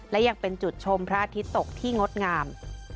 และยังเป็นจุดชมพระอาทิตย์ตกที่งดงาม